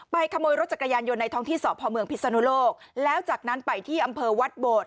ขโมยรถจักรยานยนต์ในท้องที่สพเมืองพิศนุโลกแล้วจากนั้นไปที่อำเภอวัดโบด